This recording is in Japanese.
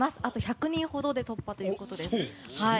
あと１００人ほどで突破ということです。